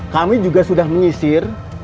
kami juga sudah mengisir